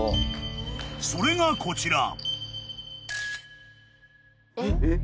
［それがこちら］